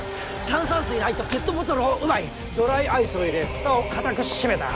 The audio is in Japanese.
炭酸水の入ったペットボトルを奪いドライアイスを入れふたを固くしめた。